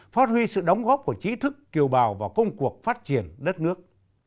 phát huy sự đóng góp của trí thức kiều bào vào công cuộc phát triển đất nước